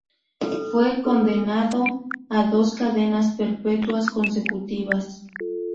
Fue condenado a dos cadenas perpetuas consecutivas.